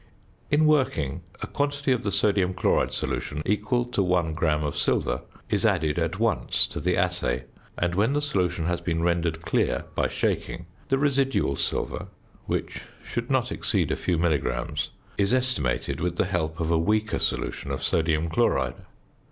In working, a quantity of the sodium chloride solution equal to 1 gram of silver is added at once to the assay; and, when the solution has been rendered clear by shaking, the residual silver (which should not exceed a few milligrams) is estimated with the help of a weaker solution of sodium chloride.